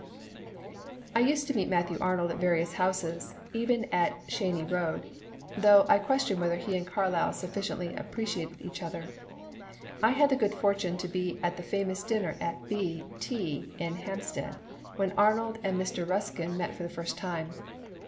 (30 |)" I used to meet Matthew Arnold at various houses, even at Cheyne Row, though I question whether he and Carlyle sufficiently appreciated each other. I had the good fortune to be at the famous dinner at B — T in Hampstead, when Arnold and Mr. Ruskin met for the first time.